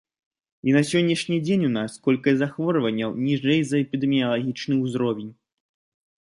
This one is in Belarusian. І на сённяшні дзень у нас колькасць захворванняў ніжэй за эпідэміялагічны ўзровень.